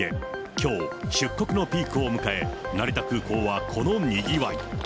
きょう、出国のピークを迎え、成田空港はこのにぎわい。